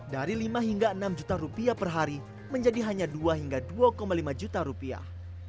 dari lima hingga enam juta rupiah per hari menjadi hanya dua hingga dua lima juta rupiah